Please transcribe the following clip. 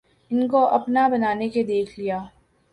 ان کو اپنا بنا کے دیکھ لیا